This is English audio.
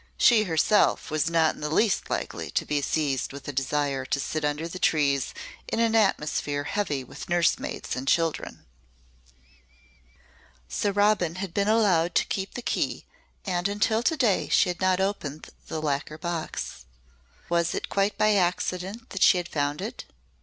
She herself was not in the least likely to be seized with a desire to sit under trees in an atmosphere heavy with nursemaids and children. So Robin had been allowed to keep the key and until to day she had not opened the lacquer box. Was it quite by accident that she had found it?